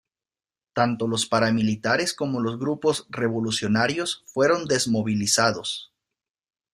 Tanto los paramilitares como los grupos revolucionarios fueron desmovilizados.